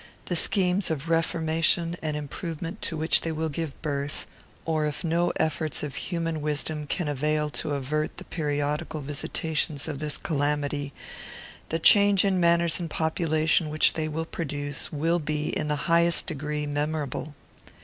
The schemes of reformation and improvement to which they will give birth, or, if no efforts of human wisdom can avail to avert the periodical visitations of this calamity, the change in manners and population which they will produce, will be, in the highest degree, memorable.